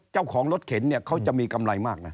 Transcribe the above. เจ้าของรถเข็นเนี่ยเขาจะมีกำไรมากนะ